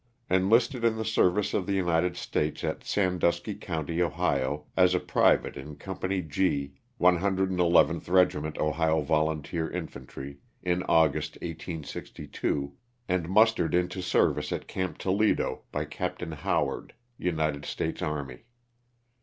Enlisted in the service of the United States at Sandusky county, Ohio, as a private in Company G, 111th Regiment Ohio Volunteer Infantry, in "August, 1862, and mustered into service at Camp Toledo by Capt. Howard, United States Army.